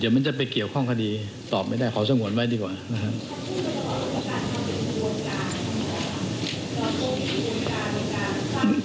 เดี๋ยวมันจะไปเกี่ยวข้องคดีตอบไม่ได้ขอสงวนไว้ดีกว่านะครับ